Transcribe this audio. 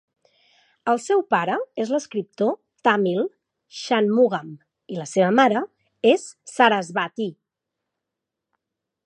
El seu pare és l'escriptor tàmil Shanmugam i la seva mare és Sarasvatí.